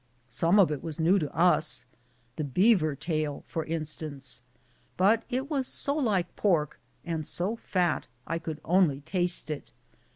Some of it was new to us — the beaver tail, for instance — but it was so like pork and so fat I could only taste it.